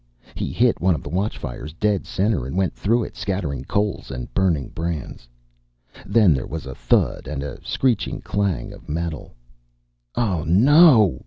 He hit one of the watchfires dead center and went through it, scattering coals and burning brands. Then there was a thud and the screeching clang of metal. "Oh, no!"